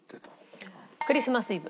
『クリスマス・イブ』。